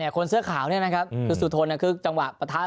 คนเสื้อขาวนี่นะครับคือสุทนคือจังหวะประทะ